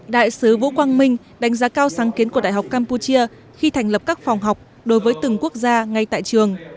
đại sứ vũ quang minh đánh giá cao sáng kiến của đại học campuchia khi thành lập các phòng học đối với từng quốc gia ngay tại trường